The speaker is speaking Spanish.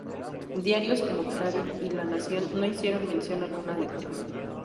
Diarios como Clarín y La Nación no hicieron mención alguna al tema.